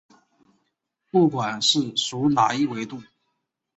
不管是属哪一纬度。